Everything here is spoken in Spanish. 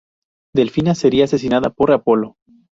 Delfina sería asesinada por Apolo.